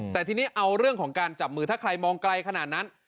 แต่ทีนี้เอาเรื่องของการจับมือถ้าใครมองไกลขนาดนั้น